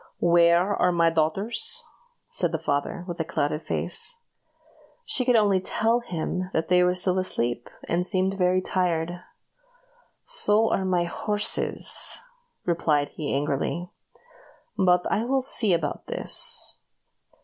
"Where are my dear daughters?" said the father, with a clouded face. She could only tell him that they were still asleep, and seemed very tired. "So are my horses," replied he, angrily; "but I will see about this."